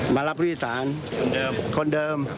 มารับพฤทธิษฐานคนเดิม